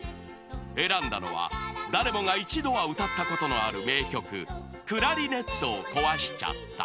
［選んだのは誰もが一度は歌ったことのある名曲『クラリネットをこわしちゃった』］